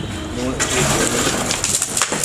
Nuëcqud dëmishnu